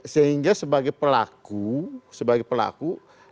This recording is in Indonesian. sehingga sebagai pelaku